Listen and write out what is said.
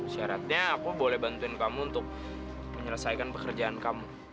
syaratnya aku boleh bantuin kamu untuk menyelesaikan pekerjaan kamu